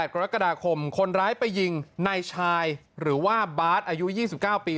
กรกฎาคมคนร้ายไปยิงในชายหรือว่าบาร์ดอายุยี่สิบเก้าปี